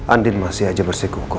andin masih aja bersikuku